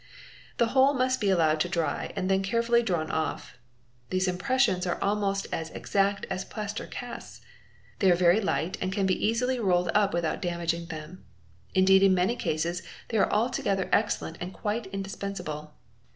4 The whole must be allowed to dry and then carefully drawn off. These impressions are almost as exact as plaster casts. They are very — light and can be easily rolled up without damaging them. Indeed in — many cases they are altogether excellent and quite indispensable.